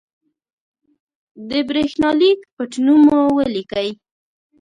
د برېښنالېک پټنوم مو ولیکئ.